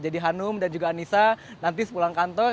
jadi hanum dan juga nisa nanti pulang kantor